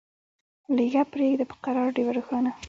لیږه پریږده په قرار ډېوه روښانه